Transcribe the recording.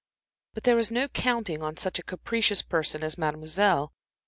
But there was no counting on such a capricious person as Mademoiselle.